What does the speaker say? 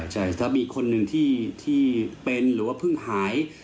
ใช่ถ้ามีคนหนึ่งที่เป็นหรือว่าเพิ่งหาย